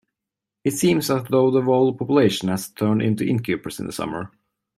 It seems as though the whole population has turned into innkeepers in the summer.